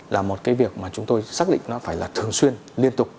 là một cái việc mà chúng tôi xác định nó phải là thường xuyên liên tục